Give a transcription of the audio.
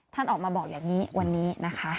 ท่านออกมาบอกอย่างนี้วันนี้นะคะ